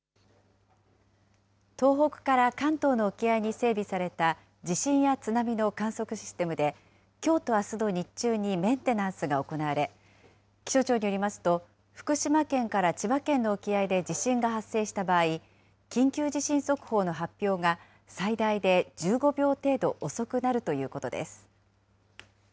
東北から関東の沖合に整備された地震や津波の観測システムで、きょうとあすの日中にメンテナンスが行われ、気象庁によりますと、福島県から千葉県の沖合で地震が発生した場合、緊急地震速報の発表が最大で１５秒程度遅くなるということです。